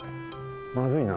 まずいな。